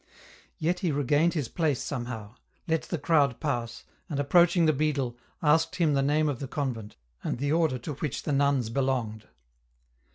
Yet he regained his place somehow ; let the crowd pass, and approaching the beadle, asked him the name of the convent, and the order to which the nuns belonged.